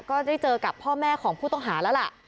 ก็ได้เจอกับพ่อแม่ของผู้ต้องหาแล้วล่ะ